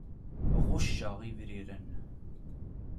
Ɣucceɣ ibriren.